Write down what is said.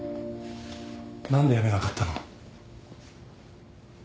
何で辞めなかったの？